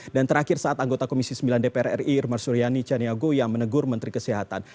dan terakhir saat anggota komisi sembilan dpr ri rumar suriani caniago yang menegur menteri kesehatan